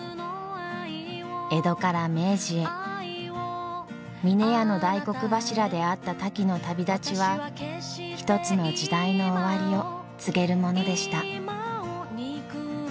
江戸から明治へ峰屋の大黒柱であったタキの旅立ちは一つの時代の終わりを告げるものでした。